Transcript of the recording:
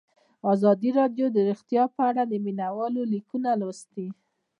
ازادي راډیو د روغتیا په اړه د مینه والو لیکونه لوستي.